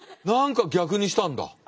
何か逆にしたんだ。